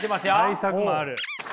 対策もある。